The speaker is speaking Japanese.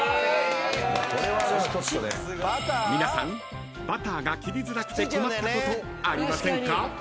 ［皆さんバターが切りづらくて困ったことありませんか？］